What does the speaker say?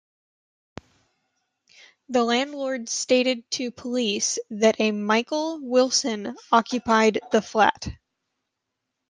The landlord stated to police that a "Michael Wilson" occupied the flat.